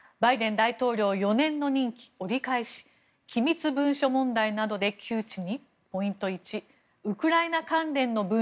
大統領４年の任期折り返し機密文書問題などで窮地に？